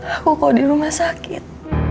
aku kalau di rumah sakit